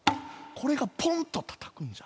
これがポンとたたくんじゃ。